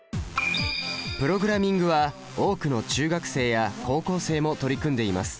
プログラミングは多くの中学生や高校生も取り組んでいます。